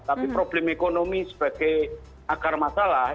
tapi problem ekonomi sebagai akar masalah